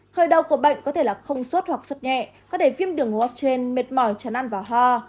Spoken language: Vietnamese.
khởi đầu của bệnh có thể là không suốt hoặc suốt nhẹ có thể viêm đường hô hấp trên mệt mỏi chán ăn vào ho